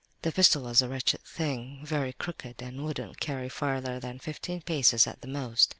"The pistol was a wretched thing, very crooked and wouldn't carry farther than fifteen paces at the most.